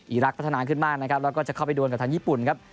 รักพัฒนาขึ้นมากนะครับแล้วก็จะเข้าไปโดนกับทางญี่ปุ่นครับ